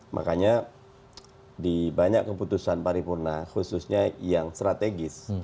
makanya dibanyak keputusan paripurna khususnya yang strategis